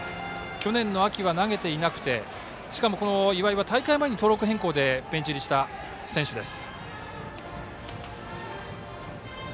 去年の秋は投げていなくてしかも岩井は大会前に登録変更でベンチ入りした選手です。